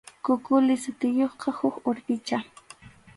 Kukuli sutiyuqqa huk urpicha.